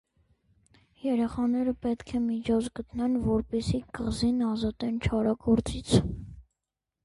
Երեխաները պետք է միջոց գտնեն, որպեսզի կղզին ազատեն չարագործից։